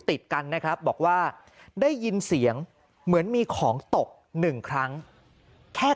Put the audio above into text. ติดกันนะครับบอกว่าได้ยินเสียงเหมือนมีของตกหนึ่งครั้งแค่